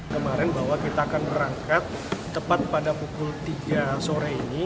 kemarin bahwa kita akan berangkat tepat pada pukul tiga sore ini